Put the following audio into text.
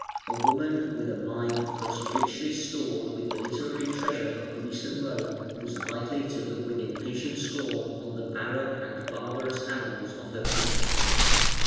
A woman with a mind thus richly stored with the literary treasure of Greece and Rome was likely to look with impatient scorn on the barren and barbarous annals of her people.